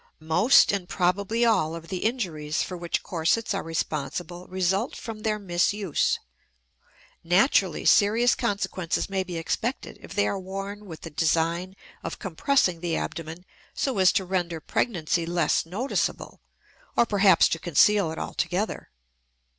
Most, and probably all, of the injuries for which corsets are responsible result from their misuse. Naturally serious consequences may be expected if they are worn with the design of compressing the abdomen so as to render pregnancy less noticeable or perhaps to conceal it altogether.